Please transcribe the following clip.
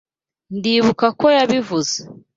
Ndibuka ko yabivuze.